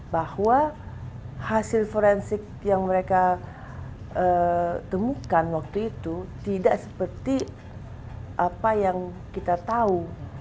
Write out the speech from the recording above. bahwa hasil forensik yang mereka temukan waktu itu tidak seperti apa yang kita tahu